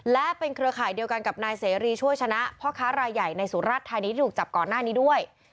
และเป็นเครือข่ายเดียวกันกับนายเสรีช่วยชนะพ่อค้ารายใหญ่ในสุรัตธานีที่ถูกจับก่อนหน้านี้ด้วย